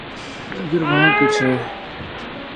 اگر وہاں کچھ ہے۔